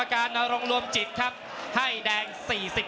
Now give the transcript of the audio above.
รอคะแนนจากอาจารย์สมาร์ทจันทร์คล้อยสักครู่หนึ่งนะครับ